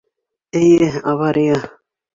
Эйе, авария!